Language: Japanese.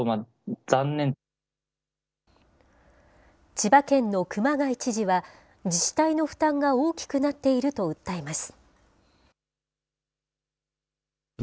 千葉県の熊谷知事は、自治体の負担が大きくなっていると訴えます。